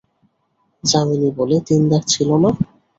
যামিনী বলে, তিন দাগ ছিল না?